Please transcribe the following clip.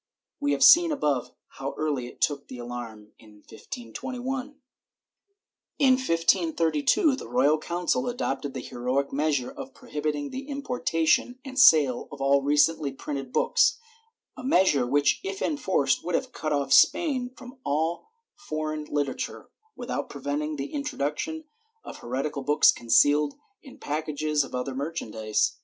We have seen above how early it took the alarm in 1521. In 1532 the Royal Council adopted the heroic measure of prohibiting the importation and sale of all recently printed books^ — a measure which, if enforced, would have cut off Spain from all foreign literature, without preventing the intro duction of heretical books concealed in packages of other merchan dise.